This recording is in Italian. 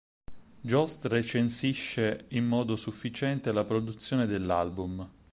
Jost recensisce in modo sufficiente la produzione dell'album.